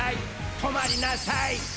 とまりなさい！